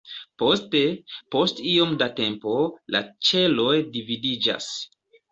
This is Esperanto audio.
Poste, post iom da tempo, la ĉeloj dividiĝas.